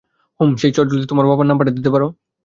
হুম, hey, চটজলদি তোমার বাবার নাম্বারটা দিতে পারো?